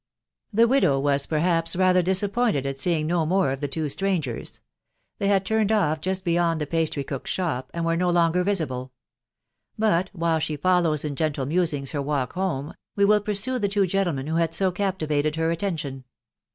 The widow was perhaps rather disappointed at seeing no more of the two strangers ; they had turned off just beyond the pastrycook's shop, and were no longer visible ; bat, while she follows in gentle musings her walk home, we will pursue the two gentlemen who had so captivated her attention.